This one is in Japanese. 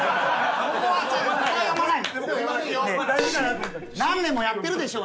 ここは読まない。